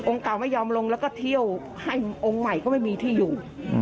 เก่าไม่ยอมลงแล้วก็เที่ยวให้องค์ใหม่ก็ไม่มีที่อยู่